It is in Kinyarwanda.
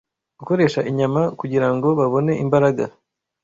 gukoresha inyama kugira ngo babone imbaraga